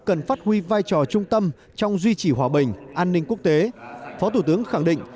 cần phát huy vai trò trung tâm trong duy trì hòa bình an ninh quốc tế phó thủ tướng khẳng định